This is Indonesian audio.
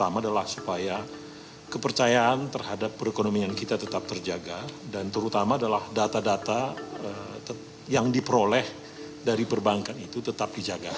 memperoleh dari perbankan itu tetap dijaga